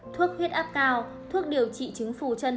thuốc huyết áp cao thuốc điều trị chứng phù chân